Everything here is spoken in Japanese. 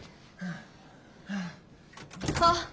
あっ！